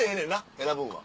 選ぶんは。